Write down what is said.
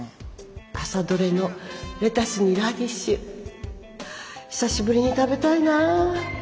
朝採れのレタスにラディッシュ久しぶりに食べたいな。